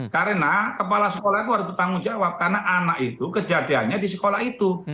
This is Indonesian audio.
karena kepala sekolah itu harus bertanggung jawab karena anak itu kejadiannya di sekolah itu